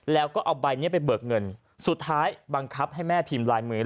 แล้วก็เอาใบนี้ไปเบิกเงินสุดท้ายบังคับให้แม่พิมพ์ลายมือ